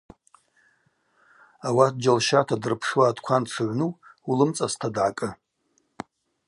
Ауат джьалщата дырпшуа аткван дшыгӏвну улымцӏаста дгӏакӏы.